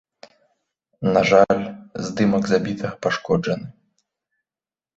На жаль, здымак забітага пашкоджаны.